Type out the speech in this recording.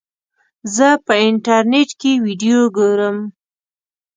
زه په انټرنیټ کې ویډیو ګورم.